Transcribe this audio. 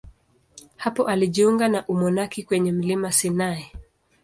Hapo alijiunga na umonaki kwenye mlima Sinai.